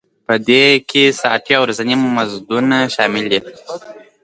په دې کې ساعتي او ورځني مزدونه شامل دي